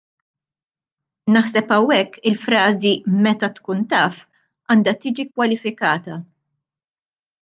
Naħseb hawnhekk il-frażi " meta tkun taf " għandha tiġi kwalifikata.